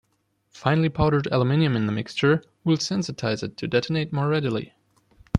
Finely powdered aluminium in the mixture will sensitise it to detonate more readily.